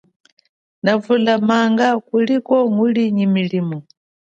Nakuvulama kulia nyi nguli nyi milimo.